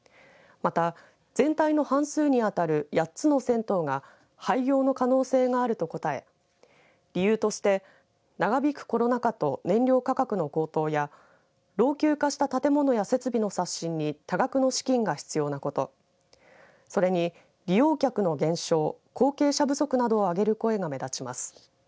また全体の半数に当たる８つの銭湯が廃業の可能性があると答え理由として、長引くコロナ禍と燃料価格の高騰や老朽化した建物や設備の刷新に多額の資金が必要なことそれに利用客の減少後継者不足などを挙げる声が目立ちます。